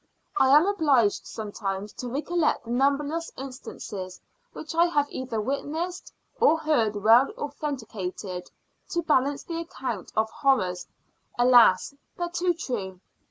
I am obliged sometimes to recollect the numberless instances which I have either witnessed, or heard well authenticated, to balance the account of horrors, alas! but too true.